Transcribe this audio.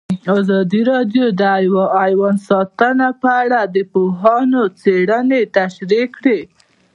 ازادي راډیو د حیوان ساتنه په اړه د پوهانو څېړنې تشریح کړې.